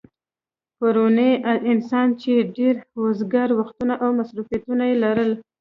پرونی انسان چې ډېر وزگار وختونه او مصروفيتونه يې لرل